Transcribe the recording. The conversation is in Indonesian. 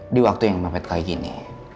di waktu yang mematikan begini